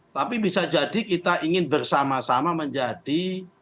tapi bisa jadi kita ingin bersama sama menjadi